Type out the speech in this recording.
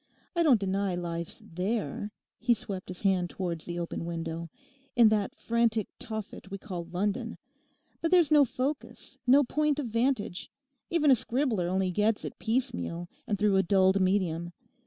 I don't deny Life's there,' he swept his hand towards the open window—'in that frantic Tophet we call London; but there's no focus, no point of vantage. Even a scribbler only gets it piecemeal and through a dulled medium.